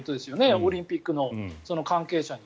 オリンピックの関係者に。